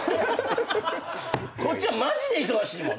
こっちはマジで忙しいもんね。